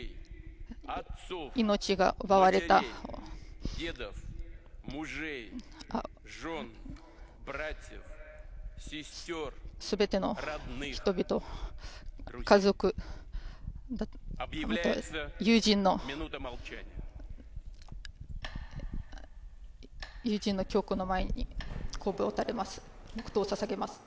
命が奪われた全ての人々、家族、また友人の記憶の前にこうべを垂れます、黙とうを捧げます。